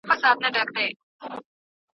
حقوقو پوهنځۍ په تصادفي ډول نه ټاکل کیږي.